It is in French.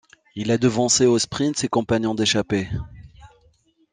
Il a devancé au sprint ses compagnons d'échappée.